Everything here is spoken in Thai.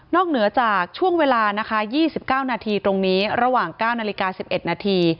เหนือจากช่วงเวลานะคะ๒๙นาทีตรงนี้ระหว่าง๙นาฬิกา๑๑นาที